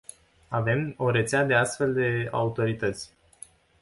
Avem o rețea de astfel de autorități.